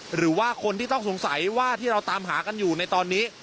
หรือว่าคนที่ต้องสงสัยว่าที่เราตามหากันอยู่ในตอนนี้